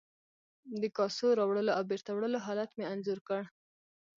د کاسو راوړلو او بیرته وړلو حالت مې انځور کړ.